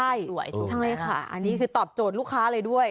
ใช่ค่ะอันนี้คือตอบโจทย์ลูกค้าเลยด้วย